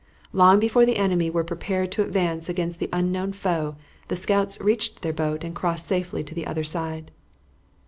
Long before the enemy were prepared to advance against the unknown foe the scouts reached their boat and crossed safely to the other side.